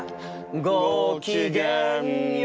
「ごきげんよう！」